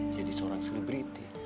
jadi seorang selebriti